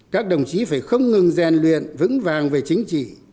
các đồng chí phải không ngừng rèn luyện vững vàng về chính trị